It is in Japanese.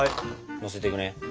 のせていくね。